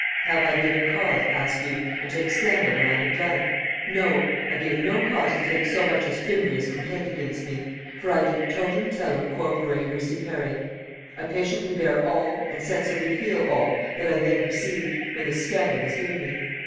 Have I given cause, ask you, and take scandal when I have done? No; I gave no cause to take so much as Fimbria's complaint against me, for I did totum telum corpore recipere. I patiently bear all, and sensibly feel all, that I then received, when this scandal was given me.